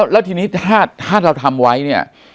แล้วทีนี้ถ้าเราทำไว้เนี่ย